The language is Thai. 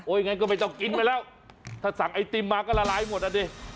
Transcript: งั้นก็ไม่ต้องกินไปแล้วถ้าสั่งไอติมมาก็ละลายหมดอ่ะดิ